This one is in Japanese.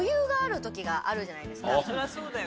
そりゃそうだよね。